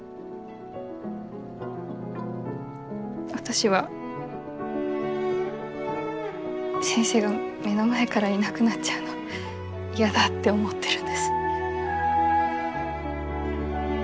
私は先生が目の前からいなくなっちゃうのやだって思ってるんです。